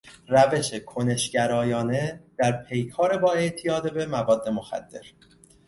روش کنشگرایانه در پیکار با اعتیاد به مواد مخدر